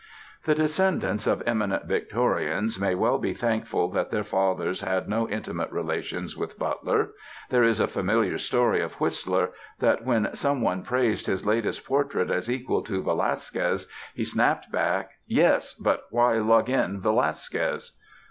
The descendants of eminent Victorians may well be thankful that their fathers had no intimate relations with Butler. There is a familiar story of Whistler, that when some one praised his latest portrait as equal to Velasquez, he snapped back, "Yes, but why lug in Velasquez?"